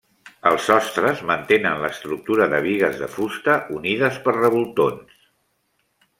Els sostres mantenen l'estructura de bigues de fusta unides per revoltons.